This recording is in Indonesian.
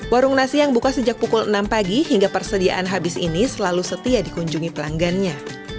warung nasi yang buka sejak pukul enam pagi hingga persediaan habis ini selalu setia dikunjungi pelanggannya